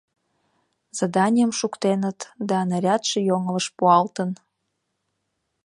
— Заданийым шуктеныт, да нарядше йоҥылыш пуалтын.